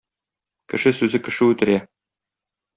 Кеше сүзе кеше үтерә.